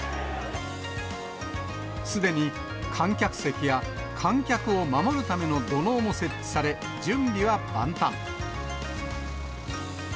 すでに観客席や観客を守るための土のうも設置され、準備は万端。